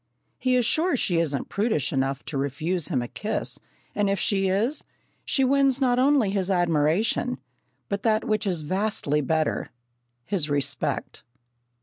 He is sure she isn't prudish enough to refuse him a kiss, and if she is, she wins not only his admiration, but that which is vastly better his respect.